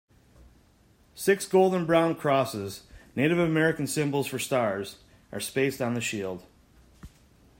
Six golden brown crosses, Native American symbols for stars, are spaced on the shield.